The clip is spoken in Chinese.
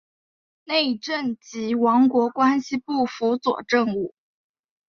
内政及王国关系部辅佐政务。